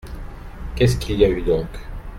Qu’est-ce qu’il y a eu donc ?